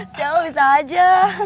siapa bisa aja